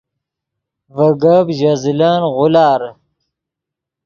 ڤے گپ ژے زلن غولار